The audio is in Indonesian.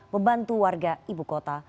membantu warga ibu kota